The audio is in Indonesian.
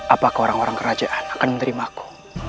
apakah orang orang kerajaan akan menerimaku